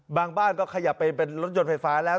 บางบ้านก็ขยับไปเป็นรถยนต์ไฟฟ้าแล้ว